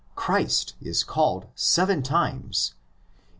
Christ is called seven times, in 1x.